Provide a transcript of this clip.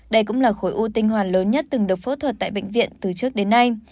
đây cũng là khối u tinh hoàn lớn nhất từng được phẫu thuật tại bệnh viện từ trước đến nay